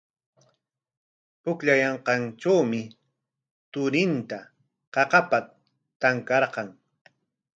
Pukllaykaayanqantrawmi turinta qaqapa tanqarqan.